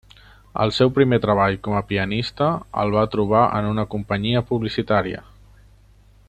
El seu primer treball com a pianista el va trobar en una companyia publicitària.